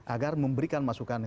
agar memberikan masukan